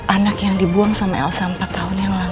anak yang dibuang sama elsa empat tahun yang lalu